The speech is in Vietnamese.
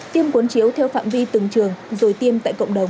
tiêm cuốn chiếu theo phạm vi từng trường rồi tiêm tại cộng đồng